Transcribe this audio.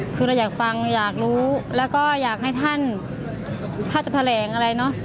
คือเราอยากฟังอยากรู้แล้วก็อยากให้ท่านถ้าจะแถลงอะไรเนอะ